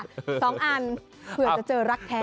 สองอันเผื่อจะเจอรักแท้